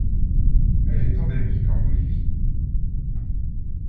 Elle est endémique en Bolivie.